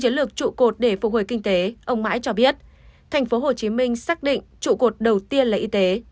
trụ cột để phục hồi kinh tế ông mãi cho biết tp hcm xác định trụ cột đầu tiên là y tế